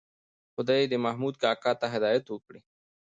خدای دې محمود کاکا ته هدایت وکړي.